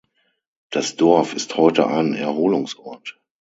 Das Dorf ist heute ein Erholungsort.